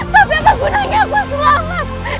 tapi apa gunanya apa selamat